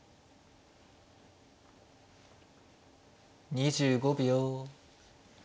２５秒。